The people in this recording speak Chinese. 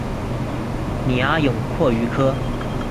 拟阿勇蛞蝓科。